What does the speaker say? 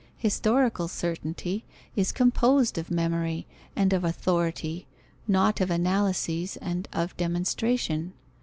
Historical certainty is composed of memory and of authority, not of analyses and of demonstration.